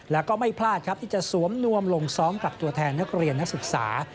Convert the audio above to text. แล้วก็ไม่พลาดครับที่จะสวมนวมลงซ้อมกับตัวแทนนักเรียนนักศึกษา